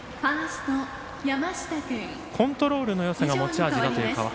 コントロールのよさが持ち味だという川原。